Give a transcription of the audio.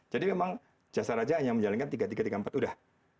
jadi memang jasa raja yang menjalankan tiga ribu tiga ratus tiga puluh empat udah